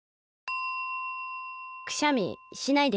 くしゃみしないですね。